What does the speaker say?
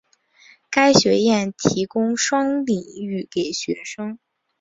该学院提供双领域给学生。